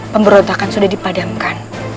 pemberontakan sudah dipadamkan